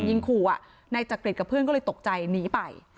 ยิงขู่นายจักริตกับเพื่อนก็เลยตกใจหนีไป